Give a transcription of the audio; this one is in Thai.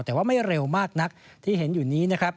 แต่ว่าไม่เร็วมากนักที่เห็นอยู่นี้นะครับ